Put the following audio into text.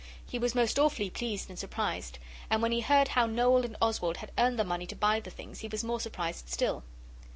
He was most awfully pleased and surprised, and when he heard how Noel and Oswald had earned the money to buy the things he was more surprised still.